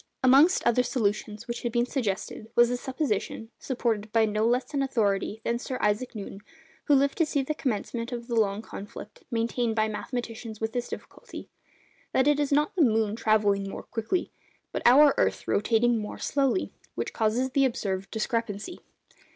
Amongst other solutions which had been suggested, was the supposition (supported by no less an authority than Sir Isaac Newton, who lived to see the commencement of the long conflict maintained by mathematicians with this difficulty), that it is not the moon travelling more quickly, but our earth rotating more slowly, which causes the observed discrepancy.